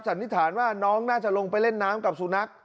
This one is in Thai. สันนิษฐานว่าน้องน่าจะลงไปเล่นน้ำกับสุนัข